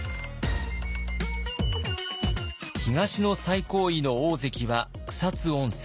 東の最高位の大関は草津温泉。